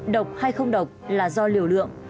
độc hay không độc là do liều lượng